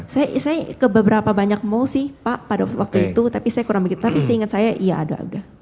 saya ke beberapa banyak mall sih pak pada waktu itu tapi saya kurang begitu tapi seingat saya iya ada